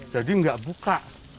jadi enggak buka